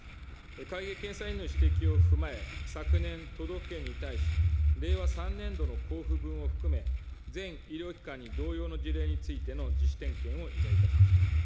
会計検査院の指摘を踏まえ、昨年、都道府県に対し、令和３年度の交付分を含め、全医療機関に同様の事例についての自主点検を依頼いたしました。